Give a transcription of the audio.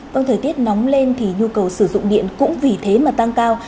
vâng thời tiết nóng lên thì nhu cầu sử dụng điện cũng vì thế mà tăng cao